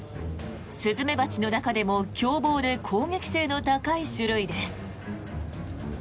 スズメバチの中でも凶暴で攻撃性の高い種類です。